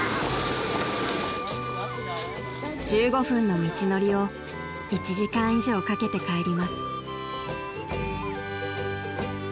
［１５分の道のりを１時間以上かけて帰ります］